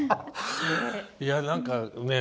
いや何かね